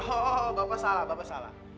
oh bapak salah bapak salah